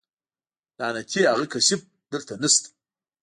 لعنتي اغه کثيف دلته نشته.